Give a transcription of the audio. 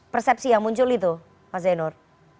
persepsi yang muncul itu mas zainur